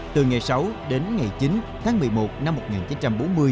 từ ngày sáu đến ngày chín tháng một mươi một năm một nghìn chín trăm bốn mươi